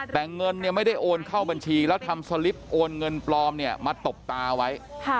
แต่เงินเนี่ยไม่ได้โอนเข้าบัญชีแล้วทำสลิปโอนเงินปลอมเนี่ยมาตบตาไว้